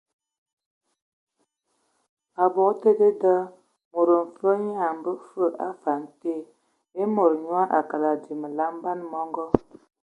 Abog te dedā, mod mfe nyaa a ngabe fəg a afan te ; e mod nyo a ngəkə dzii məlam, ban mɔngɔ.